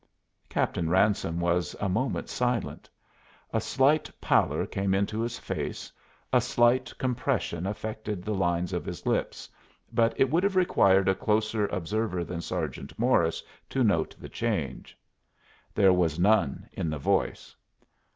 Captain Ransome was a moment silent. A slight pallor came into his face, a slight compression affected the lines of his lips, but it would have required a closer observer than Sergeant Morris to note the change. There was none in the voice.